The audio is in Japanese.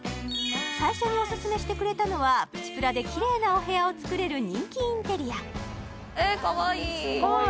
最初におすすめしてくれたのはプチプラでキレイなお部屋を作れる人気インテリアかわいい！